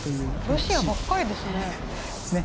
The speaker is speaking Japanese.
ロシアばっかりですね。